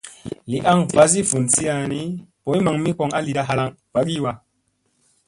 Li aŋ vasi vunsiya ni boy maŋ mi koŋ a lida halaŋ ɓagii wa.